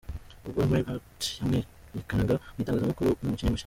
Ubwo Minaert yamwerekanaga mu itangazamakuru nk'umukinnyi mushya.